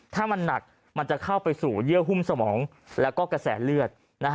ถ้ามันหนักมันจะเข้าไปสู่เยื่อหุ้มสมองแล้วก็กระแสเลือด